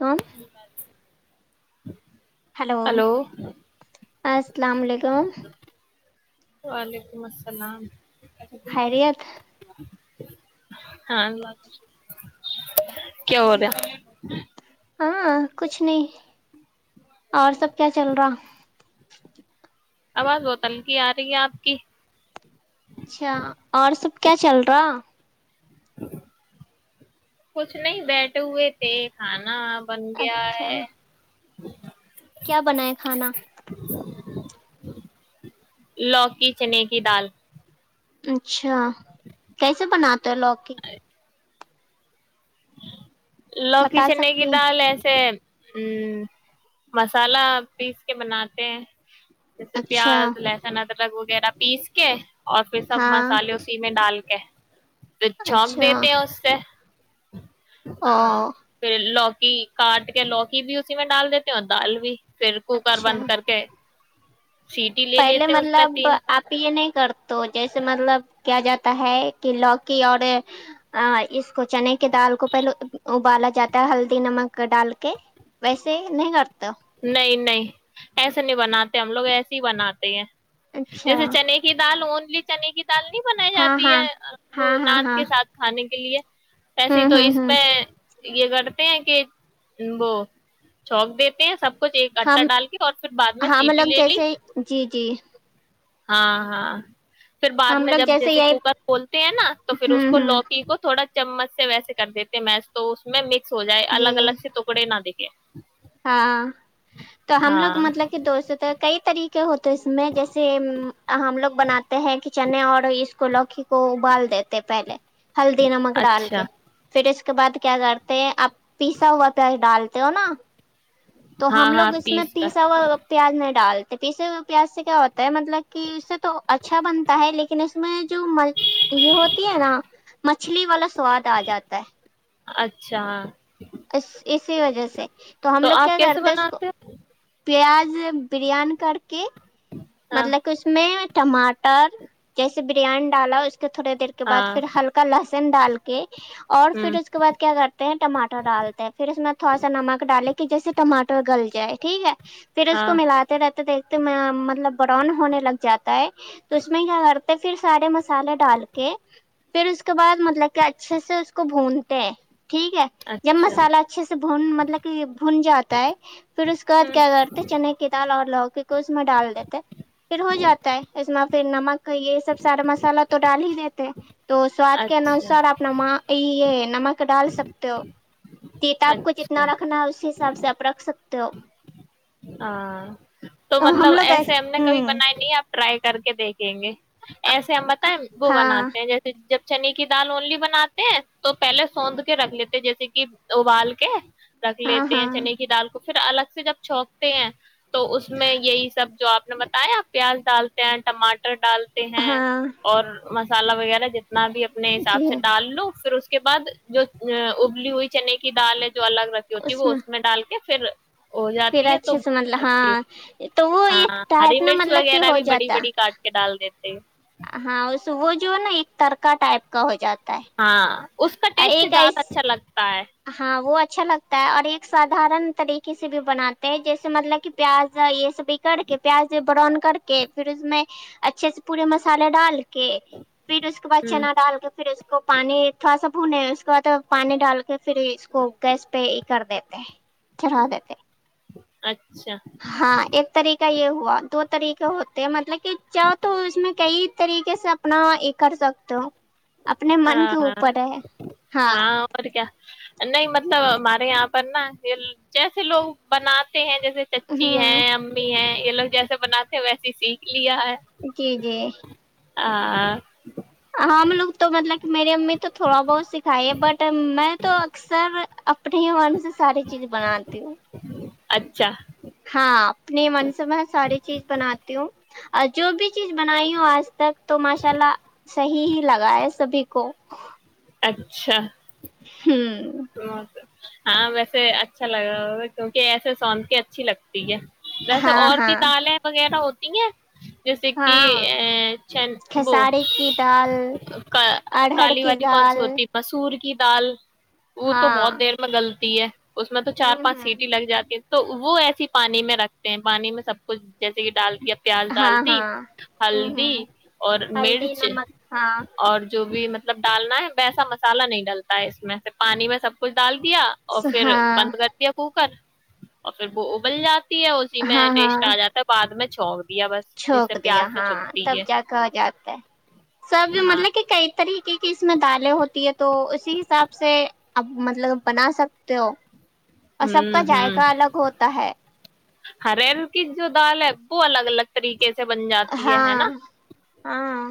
کم ا بات [unintelligible] ہلو السلام علیکم [unintelligible] وعلیکم السلام خیریت [unintelligible] ہاں اللہ کیا ہو رہا [unintelligible] ہاں کچھ نہیں [unintelligible] اور سب کیا چل رہا آواز بتلگی آ رہی ہے آپ کی اچھا اور سب کیا چل رہا [unintelligible] کچھ نہیں بیٹٹھے ہوئے تھے کھانا [unintelligible] بن گیا اچھا ہے کیا بنائیں کھانا؟ لوکی چنے کی دال اچھا کیسے بنات تو لوکی لکی بتا سے نہیں سکتی گتا ہیں ل سے ہ مسالحہ پیس کے بناتے ہیں جیسے اچھا پیاز لہسن ادر الگ وغیرہ پیس کے اور پھر سب ہاں مسالے اسی میں ڈال کے ا [unintelligible] تو چھونک اچھا دیتے ہیں اس سے او ہاں پھر لوک کاٹ کے لوکی بھی اسی میں ڈال دیتے ہو دال بھی پھر کوکر اچھا بند کر کے سیٹی لے پہلے لیتے اس پہ مطلب تین آپیے نہیں کر تو جیسے مطلب کیا جاتا ہے کہ لوکی اور اس کو چنے کے دال کو پہلے ابالا جاتا ہے ہلدی نمک ڈال کے ویسے نہیں کرتا نہیں نہیں ایسے نہیں بناتے ہم لوگ ایسے ہی بناتے ہیں اچھا جیسے چنے کی دال ا [unintelligible] ت کی [unintelligible] چالنی بنائی ہاں جاتی ہاں ہے وہ ہاں ہاں نان ہاں کے ساتھ کھانے کی [unintelligible] کے لیے ویسے ہوں تو ہوں اس ہوں پہ یہ کرتے ہیں کہ وہ چونک دی یہ سب ہم میں ہم سیٹی لوگ لے لی جیسے جی جی ہاں ہاں پھر بع ہم میں لوگ جب جیسے یہی کوکر کھولتے ہیں نا تو پھر اس ہوں کو ہوں لوکی کو تھوڑا چمچ سے ویسے کر دیتے می تو اس میں مکس س جائے جی الگ الگ سے ٹکڑے نہ دھ ہاں تو ہم لوگ ہاں مطلب کہ دوستوں کئی طریقے کیا ہو تو اس میں جیسے ہم لگ بناتے ہیں کہ چنے اور اس کو لوکی کو ابال دیتے پہلے ہلدی نمک ڈال اچھا کے پھر اس اس کے بعد کیا کرتے آپ پیسا ہوا پیاز ڈالتے ہو نا تو ہاں ہم ہاں لوگ اس میں پیس پیسا کر ہوا پیاز نہیں ڈالتے پیسے پیاس سے کیا ہوتا ہے مطلب کہ اس سے تو اچھا بنتا ہے لیکن اس میں جو یہ ہوتی ہے نا مچھلی والا سواد آ جاتا ہے اچھا ا اسی وجہ سے ہم تو لوگ آپ کیا کیسے کرتے اس کو بناتے ہیں پیاز بریانی کر کے ہاں مطلب کہ اس میں ٹماٹر جیسے بریانی ڈالا اس تھوڑے دیر کے بد ہاں پھر ہلکا لس سین ڈال کے اور ہ پھر اس کے بعد کیا کرتے ہیں ٹماٹر ڈالتے ہیں پھر اس میں تھوڑا سا نمک ڈالے کہ جیسے ٹاٹر گل جائے ٹھیک ہے پھر اس کو ہاں ملاتے رہتے دیکھتے میں مطلب براؤن ہونے لگ جاتا ہے تو اس میں کیا کرتے پھر سارے مسالے ڈال کے پھر اس کے بعد مطلب کہ اچھے سے اس کو بھونتے ٹھیک ہے جب اچھا مسالہ اچھے سے بون مطلب کہ بھن جاتا ہے پھر اس کے بعد ہ کیا کرتے چنے کی دال اور لوگ کو اس میں ڈال دیتے پھر ہو جاتا ہے اس میں پھر نمک یہ سب سارا مسالہ تو ڈال ہی دیتے ہیں تو سواد کے اچھا انوسار اپنا ماں یہ یہ نم ڈال سکتے ہو تیتا آب کو جتنا اچھا رکھنا ہے اسی حساب سے آپ رکھ سکتے ہو ہاں تو ہم مطلب لوگ ایسے نے کبھی ہوں بنائی نہیں آپ ٹرائی کر کے دیکھیں گے ایسے ہم بتائیں وہ ہاں بناتے ہیں جیسے جب چنے کی دال اونلی بناتے ہیں تو پہلے سونندھ کے رکھ لیتے جیسے کہ ابال کے رکھ ہاں لیتے ہاں ہیں چنے کی دال کو پھر الگ سے جب چوک تے ہیں تو اس میں یہی سب جو آپ بتایا آپ پیاز ڈالتے ہیں ٹماٹر ڈالتے ہیں ہاں اور م مسالہ وغیرہ ج بھی اپنے جی حساب سے ڈال لو پھر اس کے بعد جو ابلی ہوئی چنے کی دال ہے جو الگ رکھی ہوتی ہے وہ اس میں ڈال کے پھر ہو پھر جاتی ہے اچھے مطلب ہاں اچھی تو وہ ایک ہاں ٹائ ہری اپنا مطلب کہ ہو جاتا دی تھ ہاں وہ جو ہے نا ایک ترکا ٹائپ کا ہو جاتا ہے ہاں اس کا اور ٹیسٹ ایک زیادہ اچھا لگتا ہے ہ وہ اچھا لگتا ہے اور ایک سدارن طریقے سے بھی بناتے ہیں جیسے مطلب کہ پیاز یہ سب پکڑ کے پیاز بران کر کر کے پھر اس میں اچھے سے پورے مسالے ڈال پھر اس کے بعد ہ چنا ڈال کے پھر اس کو پانی تھوڑا سا بھنے اس کے بعد پانی ڈال کے پھر اس کو گیس پہ ہی کر دیتے چلا دیتے اچھ [inaudible] ہاں ایک طریق یہ ہو دو طریقے ہوتے ہیں مطلب کہ چاہ تو اس میں کئی طریقے سے اپنا یہ کر سکتے ہو اپنے من ہاں کے ہاں اوپر ہے ہاں اور کیا نہیں مطلب ہمارے یہاں پر نا جیسے لوگ بناتے ہیں جیسے م چچی ہوں ہیں امی ہیں یہ لو جیسے بنات ہیں ویس ہی سیکھ ج جی جی آ [inaudible] آ م لوگ تو مطلب میری امی تو تھوڑا بہت سکھائی ہے بٹ میں تو اکثر اپنے ہی من سے ساری چیز بناتی ہوں اچھا ہاں اپنے من سے میں ساری چیز بناتی ہوں اور جو بھی چیز بنائی ہوں آج تک تو ماشاء اللہ صحیح ہی لگا ہے سبھی کو اچھا ہوں ہاں ویسے اچھا لگ رہا ہو کیونکہ ایسے سونند کی اچھی لگتی ہے جیسے ہاں اور بھی ہاں دالیں وغیرہ ہو ت ہے جیسے کہ ہاں ا چ وہ کھساری کی دال ارہر کالی کی والی کون دال سی ہوتی مسور کی تال وہ تو بہت ہاں دیر میں گل تی ہے اس میں تو چار ہوں پانچ ہوں سیٹی لگ جاتی تو وہ ایسی ہی پانی میں رکھتے ہیں پانی میں سب کچھ جیسے کہ ڈال کےیا پیاز ہاں ڈال دی ہاں ہوں ہلدی ہوں اور ہلدی مرچ نمک ہاں اور جو بھی مطلب مطلب ڈالنا ہے ویسا مسالہ نہیں ڈلتا ہے اس میں سے پانی میں سب کچھ ڈال دیا اور پھر ہاں بند کر دیا کوکر اور پھر وہ ابل جات ہے اسی میں ٹیسٹ آ جاتا ہے بد میں چ [inaudible] چھونک دیا ہاں تب جا کے ہو جاتا ہے سب ہاں مطلب کہ کئی طریقے کی کہ اس میں دالیں ہوتی ہے تو اسی حساب سے اب مطلب بنا سکتے ہو اور سب کا ہوں ہوں ذائقہ الگ ہوتا ہے ہریر کی جو دال ہے وہ الگ الگ طریقے کیسے بن جاتی ہے ہے ہاں نا ہاں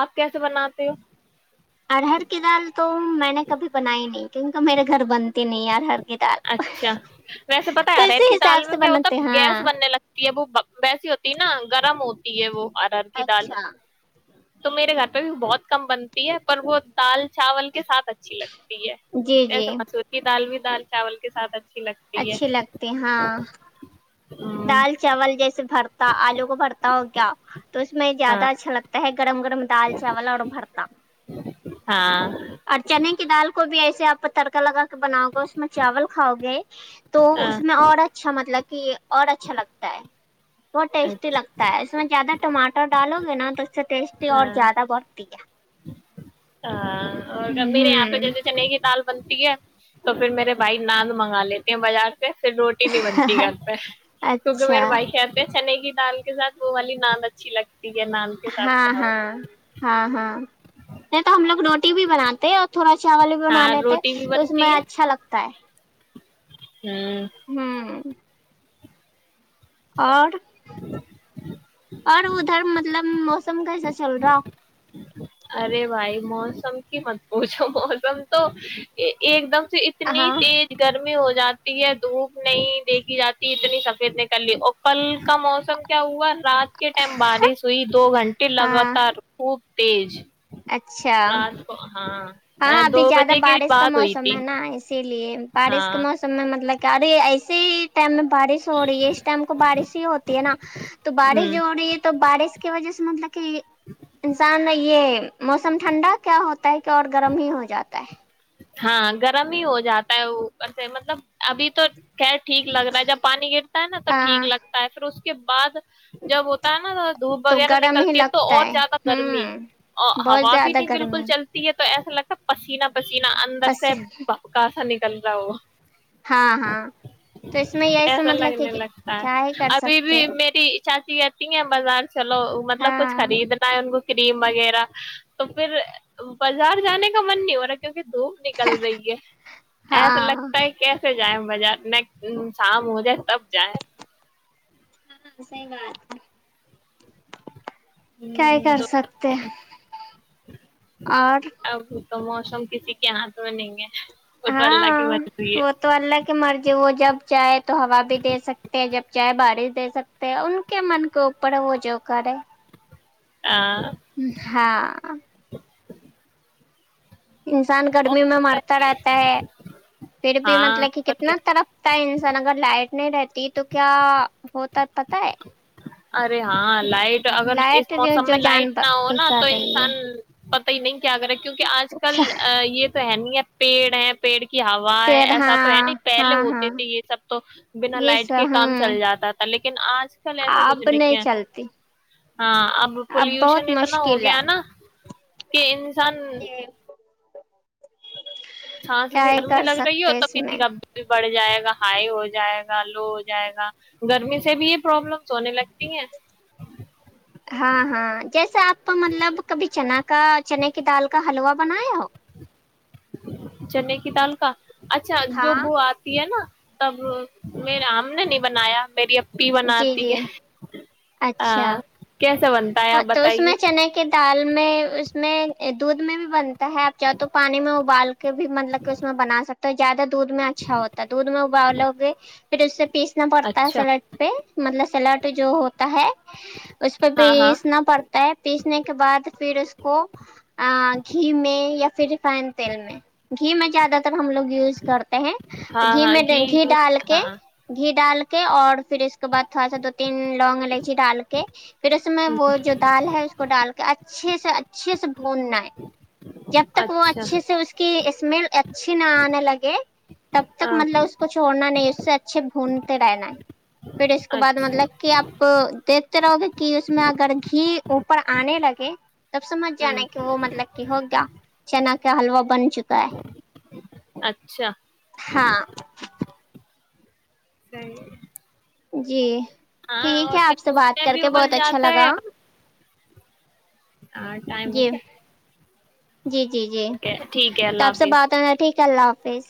آپ کیسے بناتے ہو ارہر کی دال تو میں نے کبھی بنائی نہیں کیونکہ میرے گھر بنتی نہیں ارہر کی دال اچھا ویسے بتا تو آ رہا ہے اسی کہ تال حساب میں سے کیا ہوتا بناتے ہیں۔ گیس ہاں بننے لگتی ہے وہ ویسی ہوتی ہے نا گرم ہو یہ وہ اوررر کی دال اچھا تو میرے گھر پہ بھی بہت کم بنتی ہے پر وہ دال چاول کے ساتھ اچھی لگتی ہے جی ایس جی مسور کی دال بھی ج چاول کے سادھن اچھی لگتی ہاں دال چاول جیسے بھر آلو کو پڑھتا ہو کیا تو اس میں زیادہ ہاں اچھا لگتا ہے کڑم کڑم دال چوول اورڑ پڑتاام ہاں اور چنے کی دال کو بھی ایسے آپ تڑکا لگا بناؤ گے اس میں چاول کھاؤ گے تو ہاں اس میں اور اچھا مطلب کہ اور اچھا لگتا ہے وہ ٹیسٹی لگتا ہے اس میں زیادہ ٹماٹر ڈالو گے نا تو اس سے ٹیسٹی اور ہاں زیادہ بڑھتی ہے ہاں اور میرے یہاں پہ ہوں جیسے چ نئی کی تال بنتی ہے تو پھر میرے بھائی نان منگا لیتے ہیں بازار ھر روٹی نہیں بنتی گھر پ کیونکہ اچھا میر بائقتے چنے کی دال کے ساتھ وہ والی ناند اچھی لگتی ہے نان کے ساتھ ہاں کھاؤ ہاں ہاں ہاں نہیں تو ہم لوگ روٹی بھی بناتے ہیں اور تھوڑا چاول بھی بنا ہاں لیتے روٹی بھی تو اس میں بنتی ہے اچھا لگتا ہے ہوں اور اور ادھر مطلب موسم کیسا چل رہا ارے بھائی موسم کی مت پوچھو موسم تو ایک دم اتنی ہاں تیز گرمی ہو ج جاتی ہے دھوپ نہیں دیکھی جاتی اتنی سفید نکل لی اپل کا موسم کیا ہوا رات کے ٹائم بارش ہوئی دو گھنٹے ہاں لگاتار خوب تیز [inaudible] اچھا رات کو ہاں ابھی دو زیادہ بجے کے بارش کا بعد ہوئی موسم تھی ہے نا اسی بارش کے ہاں موسم میں مطلب گڑی ایسے ہی ٹائم میں بارش ہو رہی ہے اس ٹائم کو بارش ہی ہوتی ہے نا تو بارش ہوں جو ہو رہی ہے تو بارش اس کی وجہ سے مطلب کہ انسان نے یہ موسم ٹھنڈا کیا ہوتا ہے کہ اور گرم ہی ہو جاتا ہے ہاں گرم ہی ہو جاتا ہے اوپر سے مطلب ابھی تو ٹھیک لگ رہا ہے جب پانی گرتا ہے نا تو ہاں ٹھیک لگتا ہے پھر اس کو کے بعد جب ہوتا ہے نا دھوپ تو وغیرہ گرم ہی نکلتی ہے تو لگتا اور زیادہ گرمی ہوں اور بہت ہوا بھی زیادہ نہیں بالکل گرمی چلتی ہے ایسا لگتا پسینہ بس ا اندر سے بس بکاسا نک کلرا وہ ہاں ہاں تو اس میں یہی س ایسا مطلب کہ لگنے کیا ہی کر سکتے اچھا سی آتی ہیں بازار چلو مطلب ہاں کچھ خریدنا ہے ان کو کریم وغیرہ تو پھر بازار جانے کا من نہیں ہو رہا کیونکہ دھوپ نکل رہی ہے ایسا ہاں لگتا ہے کیس ھر جائ بجار میں شام ہو جائے تب جائیں ہاں سحی بات ہے کیا کر دو سکتے اور اب تو موسم کسی کے ہاتھ میں نہیں ہے وہ تو اللہ کی ہاں مرضی ہے وہ تو اللہ کی مرضی وہ جب جائے تو ہوا بھی دے سکتے ہیں جب چاہے بارش دے سکتے ان کے من کے اوپر وہ جو کر ہے ہاں ہاں انسان گرمی میں مرتا رہتا ہے پھر بھی ہاں مطلب کہ اور کیا کتنا طڑپتا ہے انسان اگر لائٹ نہیں رہتی تو کیا ہوتا پتا ہے ارے ہاں لائٹ اگر اس لائٹ موسم جو میں جان لائٹ نہ ہو نا کر تو رہی ہے انسان پتا ہی نہیں کیا کریں کیونکہ آج کل کیا یہ تو ہے نہیں ہے پیڑ ہے پیڑ کہ ہوا ہے پھر ایسا تو ہے نا ہاں ہاں پہلے ہاں ہوتی تھی یہ سب تو بنا یہ لائٹ کے سب کام ہوں چل جاتا تھا لیکن لیکن آج کچھ اب نہیں کیا چلتی ہاں اب پولوشن بہت اتنا ہو مشکل ہے گیا نا کہ انسان جی، چھاس کیا ہی گرمی کر لگ رہی ہے ہو سکتے تو اس پی میں بھی بڑے جائے گا ہائی ہو جائے گا لو ہو جائے گا گرمی سے بھی یہ پرابلمس ہونے لگتی ہیں ہاں ہاں جیسے آپ مطلب کبھی چنا کا چنے کی دال کا حلوا بنایا ہو چنے کی دال کا اچھا جو ہاں وہ آتی ہے نا تب میر آم نے نہیں بنایا میری پی جی بناتی جی ہے اچھا کی ہاں تو اس میں چنے کی دال اس میں دودھ میں بھی بنتا ہے آب چاہ تو پانی میں ابال کے بھی مطلب کہ اس میں بنا سکتے تو زیادہ دودھ میں اچھا ہوتا دودھ میں ابا لو گے پھر اس سے پیس نا پڑتا اچھا سلٹ پہ مطلب سلاٹ جو ہوتا ہے اس ہاں ہاں اسپیس نہ پرڑ پیسنے کے بعد پھر اس کو گھی میں یا پھر ریفائن تیل میں گھی میں زیادہ تر ہم لوگ یوز کرتے ہیں تو ہاں گھی ہاں میں گھی ڈال کے ہاں گھی ڈال کے کے اور پھر اس کے بعد تھوڑا سا دو تین لونگ لےچی ڈال کے پھر اس میں وہ جو دال ہے اس کو ڈال کے اچھے سے اچھے سے بھوننا ہے جب تک وہ اچھا اچھے سے اس کی اس مل ایک اچھی نہ آنے لگے تب تک ہاں مطلب اس کو چھوڑنا نہیں اس سے اچھے گنتے رہائے نائ پھر اس کے بعد اچھا مطلب کہ آپ [unintelligible] کہ اس میں اگر گھی اوپر آنے لگے تب سمجھ جانا کہ ہ وہ مطلب کہ ہو گیا چنا کا حلوا بن چکا ہے اچھا ہاں [inaudible] جی ہاں ٹھیک اور ہے کیا آپ سے دودھ بات میں کر بھی کے بہت ابل اچھا جاتا لگا ہے ہاں ٹائم ہو کیا جی جی جی جی تو آپ سے حافظ بات ہونا ٹھیک ان شاء اللہ حافظ